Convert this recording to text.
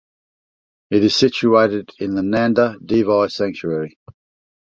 It is situated in the Nanda Devi sanctuary.